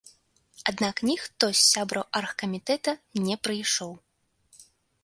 Аднак ніхто з сябраў аргкамітэта не прыйшоў.